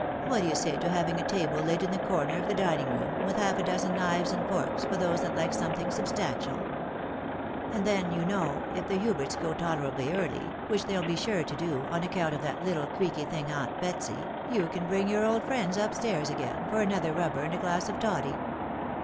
What d'ye say to having a table laid in the corner of the dining room, with about half a dozen knives and.forks, for those that Uke some thing substantial? And then, you know, if the Huberts go tolerably early, which they'll be sure to do, on account of that little creaky thing aunt Betsy, you can bring your old friends up stairs again, for another rubber and a glass of toddy."